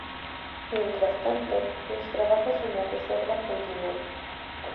Mientras tanto, los trabajos en la reserva continuaban.